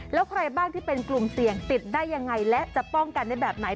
แล้วใครบ้างที่เป็นกลุ่มเสี่ยงติดได้ยังไงและจะป้องกันได้แบบไหน